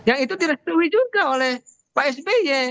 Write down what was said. yang itu direstui juga oleh pak sby